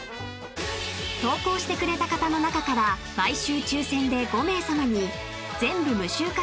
［投稿してくれた方の中から毎週抽選で５名さまに全部無臭化